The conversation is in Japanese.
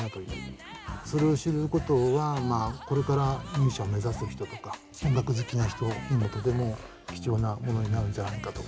それを知ることはこれからミュージシャンを目指す人とか音楽好きな人にもとても貴重なものになるんじゃないかと。